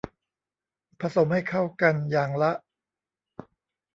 ผสมให้เข้ากันอย่างละ